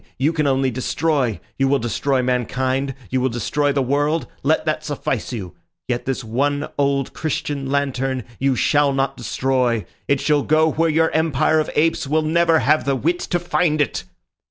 You can only destroy. You will destroy mankind; you will destroy the world. Let that suffice you. Yet this one old Christian lantern you shall not destroy. It shall go where your empire of apes will never have the wit to find it."